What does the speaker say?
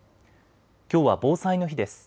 きょうは防災の日です。